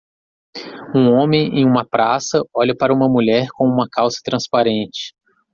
Um homem em uma praça olha para uma mulher com uma calça transparente.